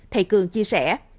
thầy cường chia sẻ